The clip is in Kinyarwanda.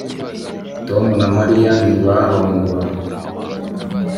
tom na mariya ntibarongora